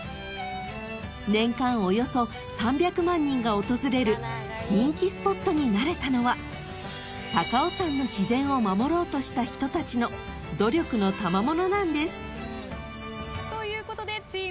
［年間およそ３００万人が訪れる人気スポットになれたのは高尾山の自然を守ろうとした人たちの努力のたまものなんです］ということでチーム高畑